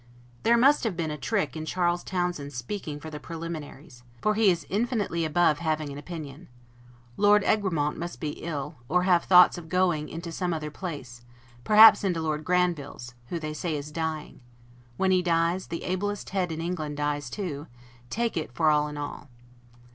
There must have been, a trick in Charles Townshend's speaking for the Preliminaries; for he is infinitely above having an opinion. Lord Egremont must be ill, or have thoughts of going into some other place; perhaps into Lord Granville's, who they say is dying: when he dies, the ablest head in England dies too, take it for all in all.